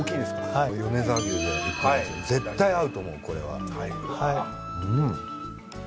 米沢牛で絶対合うと思うこれは。